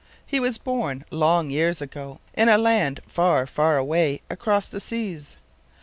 He was born, long years ago, in a land far, far away across the seas.